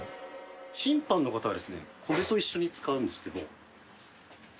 審判の方はですねこれと一緒に使うんですけど。